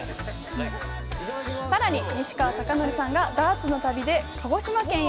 さらに西川貴教さんがダーツの旅で鹿児島県へ。